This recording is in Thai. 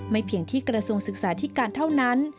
เพียงที่กระทรวงศึกษาธิการเท่านั้น